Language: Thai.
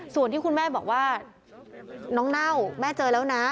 ส่วนที่คุณแม่บอกว่าน้องเน่าแม่เจอแล้วนะ